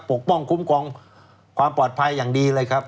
ปกป้องคุ้มครองความปลอดภัยอย่างดีเลยครับ